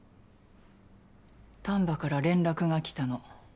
丹波から連絡が来たの。